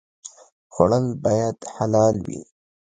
خوړل باید حلال وي